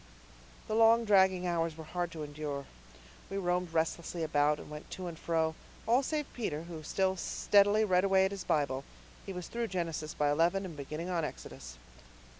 The long dragging hours were hard to endure. We roamed restlessly about, and went to and fro all save Peter, who still steadily read away at his Bible. He was through Genesis by eleven and beginning on Exodus.